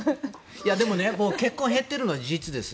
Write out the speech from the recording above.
結婚が減っているのは事実です。